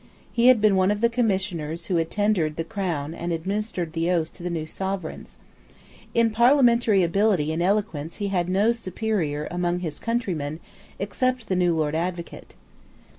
He had been one of the Commissioners who had tendered the Crown and administered the oath to the new Sovereigns. In parliamentary ability and eloquence he had no superior among his countrymen, except the new Lord Advocate.